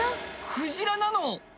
クジラなの？